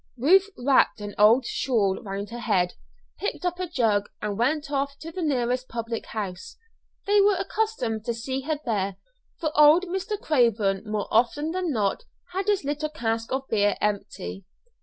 Ruth wrapped an old shawl round her head, picked up a jug, and went off to the nearest public house. They were accustomed to see her there, for old Mr. Craven more often than not had his little cask of beer empty.